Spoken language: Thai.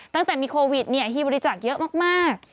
ตั้งแต่มีโควิดฮีบริจาคเยอะมาก